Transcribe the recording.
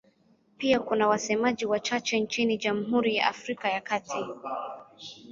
Pia kuna wasemaji wachache nchini Jamhuri ya Afrika ya Kati.